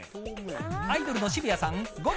アイドルの渋谷さん